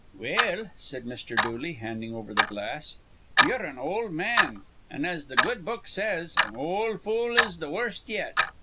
"Well," said Mr. Dooley, handing over the glass, "ye're an ol' man; an', as th' good book says, an ol' fool is th' worst yet.